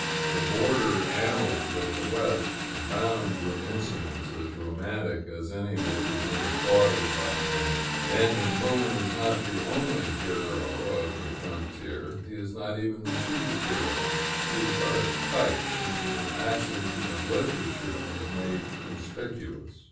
The border annals of the West abound with incidents as romantic as any which have been applauded by men. Daniel Boone is not the only hero of the frontier; he is not even the chief hero, he is but a type, whom an accident of literature has made conspicuous.